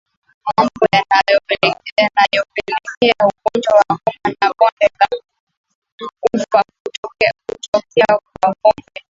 Mambo yanayopelekea ugonjwa wa homa ya bonde la ufa kutokea kwa ngombe